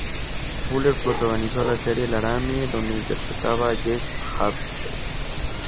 Fuller protagonizó la serie Laramie donde interpretaba a Jess Harper.